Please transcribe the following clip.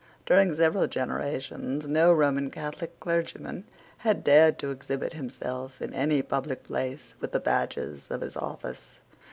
During several generations no Roman Catholic clergyman had dared to exhibit himself in any public place with the badges of his office.